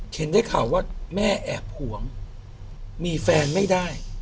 เห็นได้ข่าวว่าแม่แอบห่วงมีแฟนไม่ได้